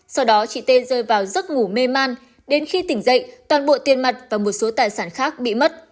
sau đó chị tê rơi vào giấc ngủ mê man đến khi tỉnh dậy toàn bộ tiền mặt và một số tài sản khác bị mất